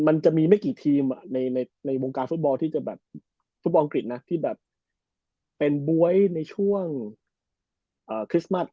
มันจะมีไม่กี่ทีมในวงการฟุตบอลที่จะแบบฟุตบอลอังกฤษนะที่แบบเป็นบ๊วยในช่วงคริสต์มัส